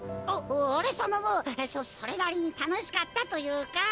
おおれさまもそそれなりにたのしかったというか。